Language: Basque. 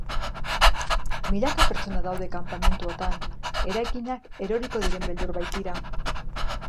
Milaka pertsona daude kanpamentuotan, eraikinak eroriko diren beldur baitira.